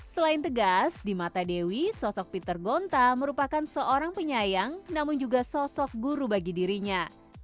selain tegas di mata dewi sosok peter gonta merupakan seorang penyayang namun juga sosok guru bagi dirinya